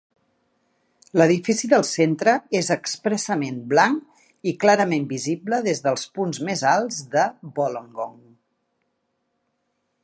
L'edifici del centre és expressament blanc i clarament visible des dels punts més alts de Wollongong.